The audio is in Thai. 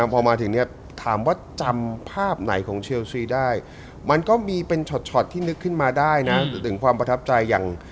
ว่าจำภาพไหนของเชียวชีได้มันก็มีเป็นชอบที่นึกขึ้นมาได้นะเรื่องความประทับใจอย่าง